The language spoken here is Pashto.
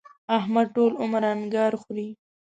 احمد ټول عمر انګار خوري.